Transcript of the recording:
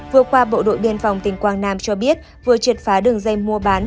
vừa qua bộ đội biên phòng tỉnh quảng nam cho biết vừa triệt phá đường dây mua bán